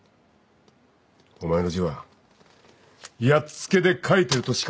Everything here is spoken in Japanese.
お前の字はやっつけで書いてるとしか思えない。